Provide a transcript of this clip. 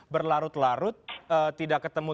berlarut larut tidak ketemu